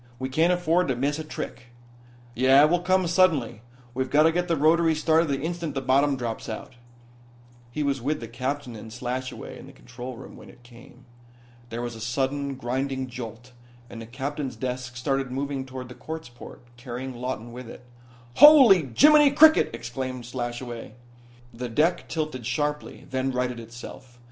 We can't afford to miss a trick." "Yeah, it will come suddenly. We've got to get the rotaries started the instant the bottom drops out." He was with the captain and Slashaway in the control room when it came. There was a sudden, grinding jolt, and the captain's desk started moving toward the quartz port, carrying Lawton with it. "Holy Jiminy cricket," exclaimed Slashaway. The deck tilted sharply; then righted itself.